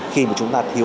khi mà chúng ta thiếu